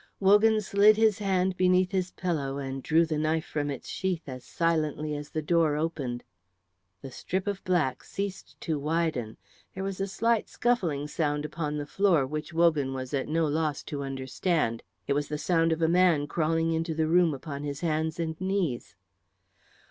Wogan slid his hand beneath his pillow, and drew the knife from its sheath as silently as the door opened. The strip of black ceased to widen, there was a slight scuffling sound upon the floor which Wogan was at no loss to understand. It was the sound of a man crawling into the room upon his hands and knees.